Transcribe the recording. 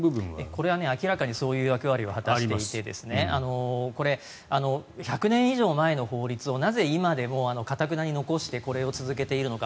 これは明らかにそういう役割を果たしていて１００年以上前の法律をなぜ今でも頑なに残してこれを続けているのか。